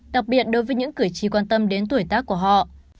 đặc biệt đối với những cử tri quan tâm đến tuổi tác của họ